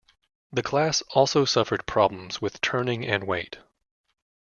The class also suffered problems with turning and weight.